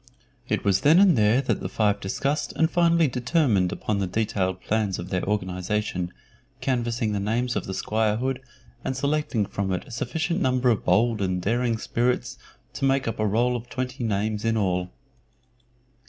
It was then and there that the five discussed and finally determined upon the detailed plans of their organization, canvassing the names of the squirehood, and selecting from it a sufficient number of bold and daring spirits to make up a roll of twenty names in all.